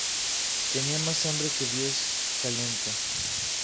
Tenía más hambre que Dios talento